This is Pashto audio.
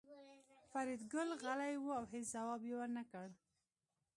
فریدګل غلی و او هېڅ ځواب یې ورنکړ